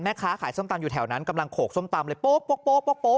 แม่ค้าขายส้มตำอยู่แถวนั้นกำลังโขกส้มตำเลยโป๊ะ